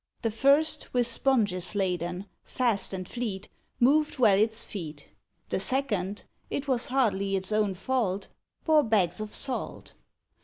The first, with sponges laden, fast and fleet Moved well its feet: The second (it was hardly its own fault) Bore bags of salt.